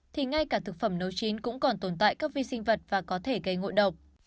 thì ngay cả thực phẩm nấu chín cũng còn tồn tại các vi sinh vật và có thể gây ngộ độc